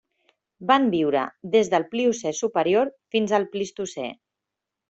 Van viure des del Pliocè superior fins al Plistocè.